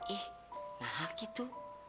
ih gak hak itu